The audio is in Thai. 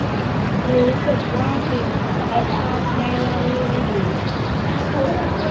รู้สึกว่า ทีมเขาตัดภาพได้เล่าเรื่องดี